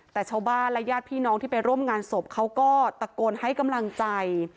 แต่ชาวบ้านและญาติพี่น้องที่ไปร่วมงานศพเขาก็ตะโกนให้กำลังใจ